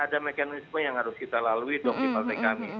ada mekanisme yang harus kita lalui dong di partai kami